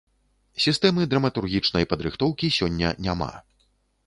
Сістэмы драматургічнай падрыхтоўкі сёння няма.